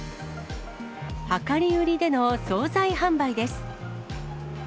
量り売りでの総菜販売です。